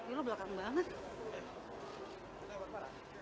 ini lo belakang banget